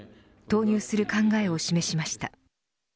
投入する考えを示しました。